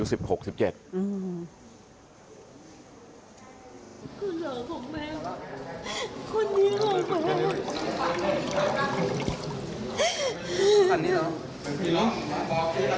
คนดีของแม่